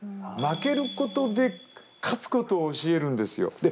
負けることで勝つことを教えるんですよ。